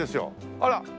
あら！